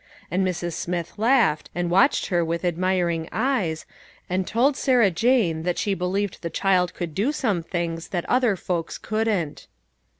And Mrs. Smith laughed, and watched her with admiring eyes, and told Sarah Jane that she believed the child could do some things that other folks couldn't.